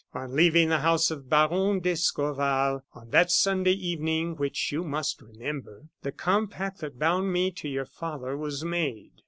On leaving the house of Baron d'Escorval, on that Sunday evening, which you must remember, the compact that bound me to your father was made.